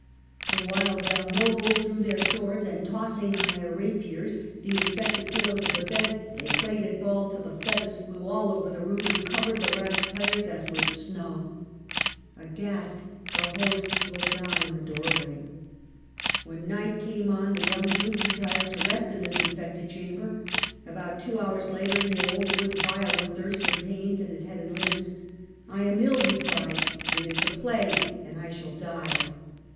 The wild young nobles drew their swords, and, tossing on their^ rapiers the infected pillows of the bed, they played at ball till the feathers flew all over the room and covered the rash players as with snow. Aghast the host looked on in the doorway. When night came on, the young Duke re tired to rest in this infected chamber. About two hours later, he awoke with violent thirst and pains in the head and limbs. I am ill," he cried. " It is the plague, and I shall die."